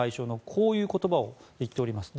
こういう言葉を言っております。